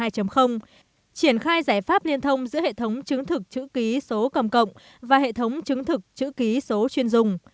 triển khai giải pháp liên thông giữa hệ thống chứng thực chữ ký số cầm cộng và hệ thống chứng thực chữ ký số chuyên dùng